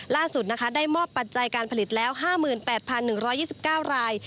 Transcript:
ล่าสุดนะคะได้มอบปัจจัยการผลิตแล้ว๕๘๑๒๙ราย